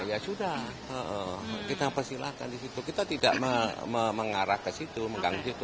ya sudah kita persilahkan di situ kita tidak mengarah ke situ mengganggu itu